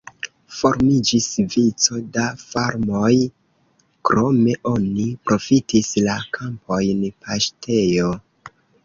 Formiĝis vico da farmoj, krome oni profitis la kampojn paŝtejo.